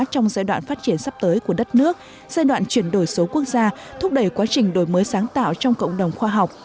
trong giai đoạn phát triển sắp tới của đất nước giai đoạn chuyển đổi số quốc gia thúc đẩy quá trình đổi mới sáng tạo trong cộng đồng khoa học